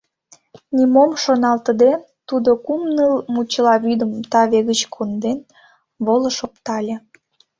Нимом шоналтыде тудо кум-ныл мучела вӱдым таве гыч конден, волыш оптале.